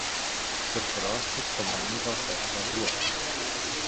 سرفراز کو تھمانے کا فیصلہ ہوا۔